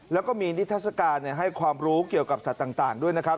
แล้วก็มีนิทัศกาลให้ความรู้เกี่ยวกับสัตว์ต่างด้วยนะครับ